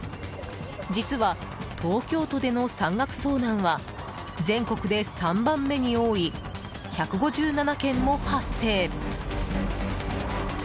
実は、東京都での山岳遭難は全国で３番目に多い１５７件も発生。